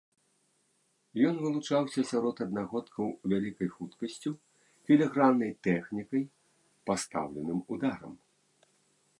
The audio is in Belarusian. Ён вылучаўся сярод аднагодкаў вялікай хуткасцю, філіграннай тэхнікай, пастаўленым ударам.